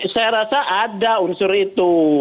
saya rasa ada unsur itu